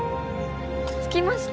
着きました。